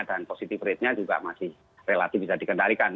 dan positif rate nya juga masih relatif bisa dikendalikan